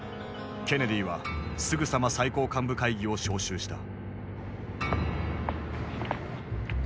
ケネディはすぐさま最高幹部会議を招集した。